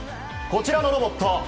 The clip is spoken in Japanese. こちらのロボット